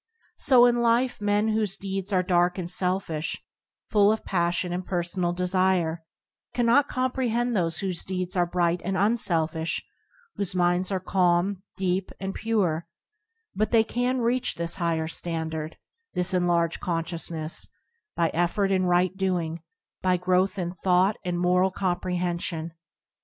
So in life, men whose deeds are dark and selfish, full of passion and per sonal desire, cannot comprehend those whose deeds are bright and unselfish, whose minds are calm, deep, and pure, but they can reach this higher standard, this enlarged consciousness, by effort in right doing, by growth in thought and moral comprehen sion.